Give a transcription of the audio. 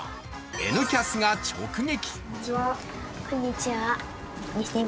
「Ｎキャス」が直撃。